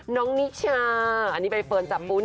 น้องนิชชาอันนี้ไปเฟิร์นจับปูนิค